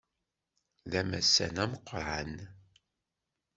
D amassan ameqqran.